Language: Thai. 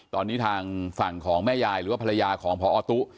ตอนนี้ทางฝั่งของแม่ยายหรือว่าภรรยาของพอตุ๊